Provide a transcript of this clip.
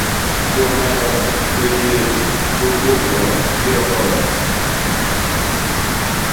Kuom mano, bedoe mar puonjno biro konyo